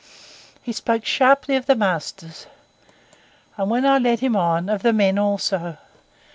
He spoke sharply of the masters, and, when I led him on, of the men also.